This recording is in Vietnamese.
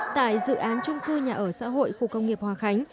tại dự án trung cư nhà ở xã hội khu công nghiệp hòa khánh